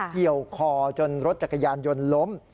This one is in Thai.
เกี่ยวคอจนรถจักรยานยนต์ล้ม